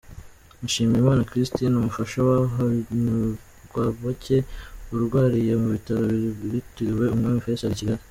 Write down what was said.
Mushimiyimana Christine, umufasha wa Hanyurwabacye arwariye mu bitaro byitiriwe Umwami Faisal i Kigali.